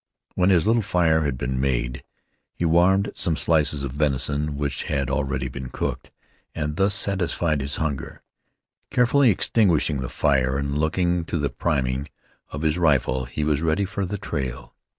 When his little fire had been made, he warmed some slices of venison which had already been cooked, and thus satisfied his hunger. Carefully extinguishing the fire and looking to the priming of his rifle, he was ready for the trail.